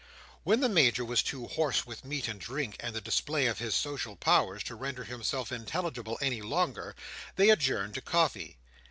When the Major was too hoarse with meat and drink, and the display of his social powers, to render himself intelligible any longer, they adjourned to coffee.